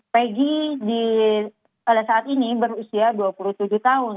peggy pada saat ini berusia dua puluh tujuh tahun